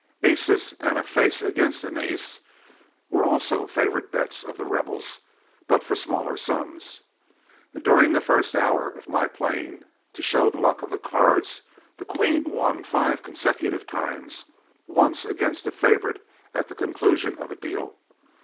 Aces and a "face against an ace" were also favorite bets of The Rebel's, but for a smaller sum. During the first hour of my playing to show the luck of cards the queen won five consecutive times, once against a favorite at the conclusion of a deal.